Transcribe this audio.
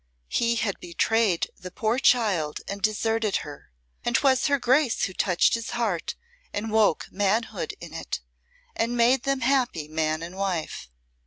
He had betrayed the poor child and deserted her, and 'twas her Grace who touched his heart and woke manhood in it, and made them happy man and wife."